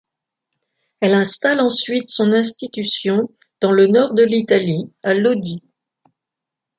Elle installe ensuite son institution dans le nord de l'Italie, à Lodi.